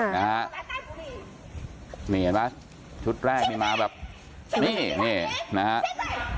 นี่เห็นไหมชุดแรกนี่มาแบบนี่นี่นะครับ